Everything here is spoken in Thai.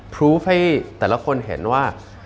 พลูฟให้แต่ละคนเห็นว่า